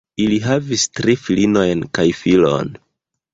Ili havis tri filinojn kaj filon.